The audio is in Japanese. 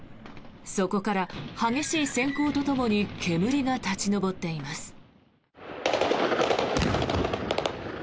そこから激しいせん光とともに煙が立ち上っています。